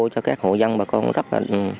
cho các hội dân bà con rất là